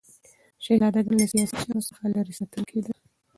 شهزادګان له سیاسي چارو څخه لیرې ساتل کېدل.